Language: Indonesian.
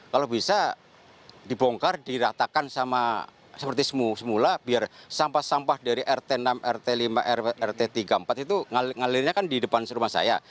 kalau bisa dibongkar diratakan sama seperti semula biar sampah sampah dari rt enam rt lima rt tiga puluh empat itu ngalirnya kan di depan rumah saya